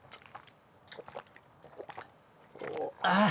ああ！